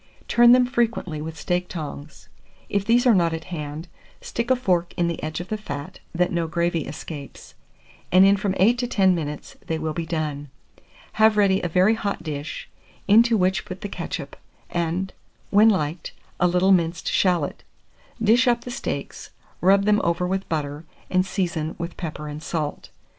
Turn them frequently with steak tongs (if these are not at hand, stick a fork in the edge of the fat, that no gravy escapes), and in from 8 to 10 minutes they will be done. Have ready a very hot dish, into which put the ketchup, and, when liked, a little minced shalot; dish up the steaks, rub them over with butter, and season with pepper and salt.